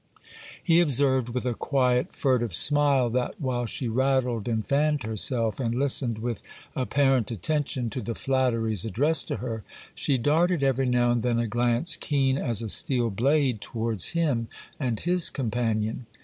He observed, with a quiet, furtive smile, that, while she rattled and fanned herself, and listened with apparent attention to the flatteries addressed to her, she darted every now and then a glance keen as a steel blade towards him and his companion.